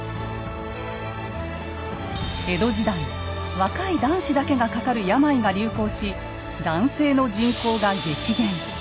江戸時代若い男子だけがかかる病が流行し男性の人口が激減。